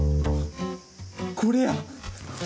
これや。